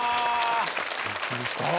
びっくりした！